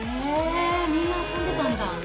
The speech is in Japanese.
みんな遊んでたんだ。